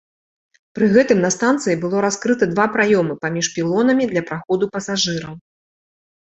Пры гэтым на станцыі было раскрыта два праёмы паміж пілонамі для праходу пасажыраў.